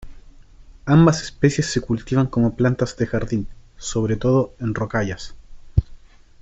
Ambas especies se cultivan como plantas de jardín, sobre todo en rocallas.